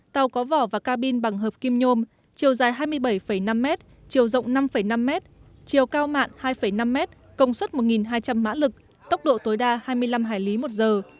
tàu có vỏ và ca bin bằng hợp kim nhôm chiều dài hai mươi bảy năm m chiều rộng năm năm m chiều cao mạn hai năm m công suất một hai trăm linh mã lực tốc độ tối đa hai mươi năm hải lý một giờ